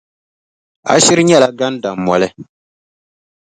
A shiri nyɛla gandammoli.